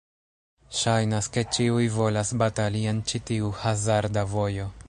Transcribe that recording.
Ŝajnas ke ĉiuj volas batali en ĉi tiu hazarda vojo.